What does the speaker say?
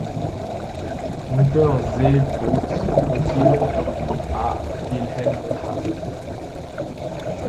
Unterseebootsflottille à Wilhelmshaven.